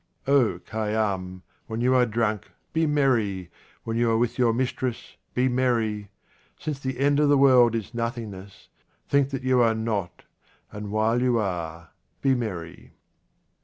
O Khayyam, when yon are drunk, be merry. When you are with your mistress, be merry. Since the end of the world is nothingness, think that you are not, and while you are, be merry.